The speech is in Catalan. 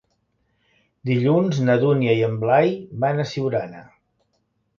Dilluns na Dúnia i en Blai van a Siurana.